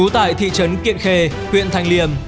thị trấn kiện khê huyện thanh liêm